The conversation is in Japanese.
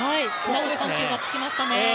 緩急がつきましたね。